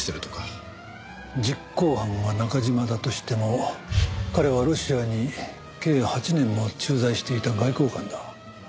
実行犯が中嶋だとしても彼はロシアに計８年も駐在していた外交官だ。